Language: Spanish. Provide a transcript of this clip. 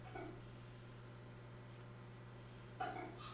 Todas las canciones escritas por John Mellencamp, excepto aquellas comentadas.